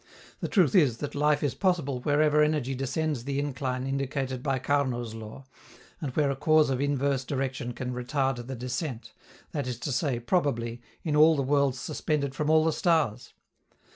The truth is that life is possible wherever energy descends the incline indicated by Carnot's law and where a cause of inverse direction can retard the descent that is to say, probably, in all the worlds suspended from all the stars.